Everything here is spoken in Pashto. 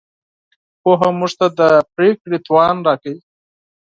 پوهه موږ ته د پرېکړې توان راکوي.